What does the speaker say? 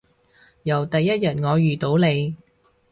由第一日我遇到你